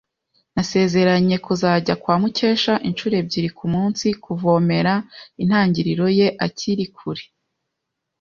Nasezeranye kuzajya kwa Mukesha inshuro ebyiri kumunsi kuvomera intangiriro ye akiri kure.